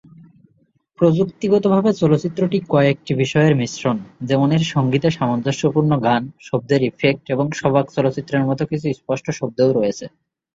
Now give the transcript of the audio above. প্রযুক্তিগতভাবে চলচ্চিত্রটি কয়েকটি বিষয়ের মিশ্রণ, যেমন এর সঙ্গীতে সামঞ্জস্যপূর্ণ গান, শব্দের ইফেক্ট এবং সবাক চলচ্চিত্রের মত কিছু স্পষ্ট শব্দও রয়েছে।